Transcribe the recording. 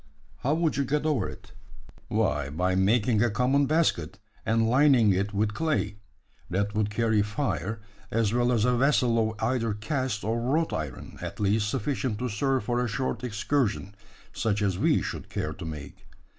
How would you get over it?" "Why, by making a common basket, and lining it with clay. That would carry fire, as well as a vessel of either cast or wrought iron at least sufficient to serve for a short excursion such as we should care to make.